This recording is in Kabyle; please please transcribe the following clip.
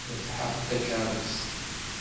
Rebḥeɣ-d takeṛṛust.